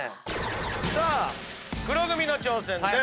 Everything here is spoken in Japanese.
さあ黒組の挑戦です。